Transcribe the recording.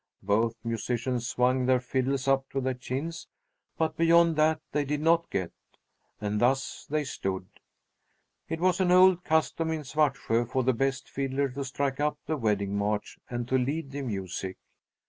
Both musicians swung their fiddles up to their chins, but beyond that they did not get. And thus they stood! It was an old custom in Svartsjö for the best fiddler to strike up the Wedding March and to lead the music.